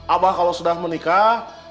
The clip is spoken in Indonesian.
abah kalau sudah menikah